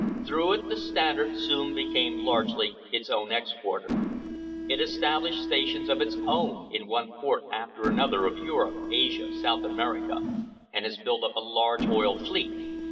Through it the Standard soon became largely its own exporter. It established stations of its own in one port after another of Europe, Asia, South America, and has built up a large oil fleet.